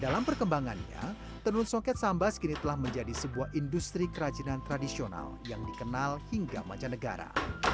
dalam perkembangannya tenun songket sambas kini telah menjadi sebuah industri kerajinan tradisional yang dikenal hingga mancanegara